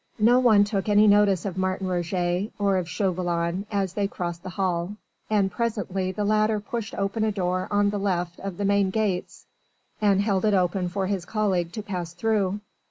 No one took any notice of Martin Roget or of Chauvelin as they crossed the hall, and presently the latter pushed open a door on the left of the main gates and held it open for his colleague to pass through.